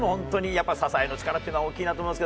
支えの力というのは大きいなと思います。